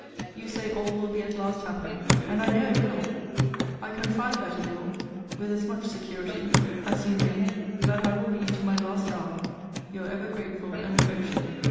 You say all will be at last happy and I know it will I confide that it will, with as much security, as you may, that I will be, to my last hour, Your ever grateful and affectionate CL.